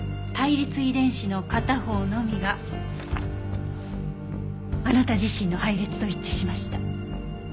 遺伝子の片方のみがあなた自身の配列と一致しました。